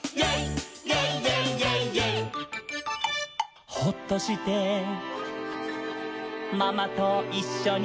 イェイイェイイェイイェイ」「ほっとして」「ほっとして」「ママといっしょに」